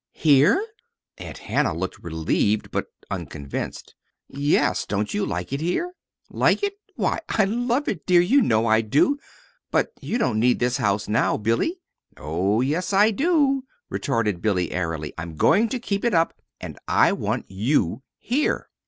"Here!" Aunt Hannah looked relieved, but unconvinced. "Yes. Don't you like it here?" "Like it! Why, I love it, dear. You know I do. But you don't need this house now, Billy." "Oh, yes, I do," retorted Billy, airily. "I'm going to keep it up, and I want you here.